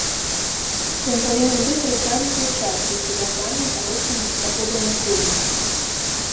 Ён павінен быць расцягнуты ў часе і прывязаны да росту даходаў насельніцтва.